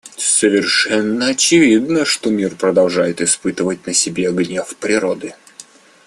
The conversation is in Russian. Совершенно очевидно, что мир продолжает испытывать на себе гнев природы.